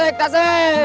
gak ada telepon